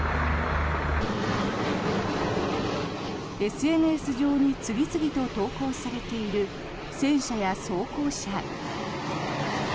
ＳＮＳ上に次々と投稿されている戦車や装甲車。